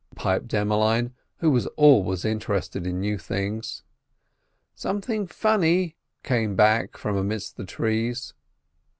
piped Emmeline, who was always interested in new things. "Something funny!" came back from amidst the trees.